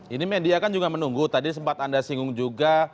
ini media kan juga menunggu tadi sempat anda singgung juga